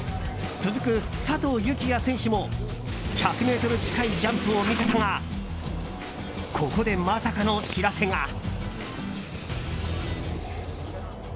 続く佐藤幸椰選手も１００ｍ近いジャンプを見せたがここで、まさかの知らせが。